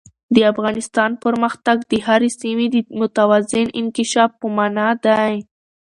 د افغانستان پرمختګ د هرې سیمې د متوازن انکشاف په مانا دی.